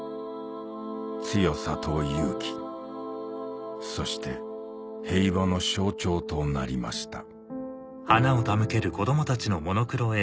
強さと勇気そして平和の象徴となりました